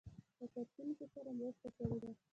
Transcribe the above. له کتونکو سره مرسته کړې ده.